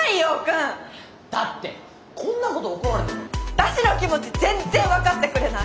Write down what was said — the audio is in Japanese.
私の気持ち全然分かってくれない！